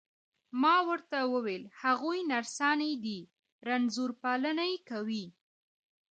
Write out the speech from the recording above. ما ورته وویل: هغوی نرسانې دي، رنځور پالني کوي.